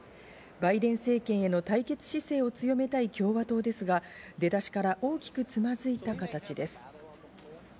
バイデン政権への対決姿勢を強めたい共和党ですが、出だしから大きくつまずいた形です。